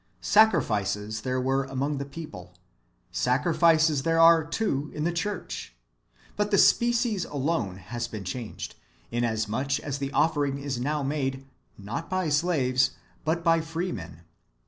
Sacri fices there were among the people; sacrifices there are, too, in the church : but the species alone has been changed, inas much as the offering is now made, not by slaves, but by free men.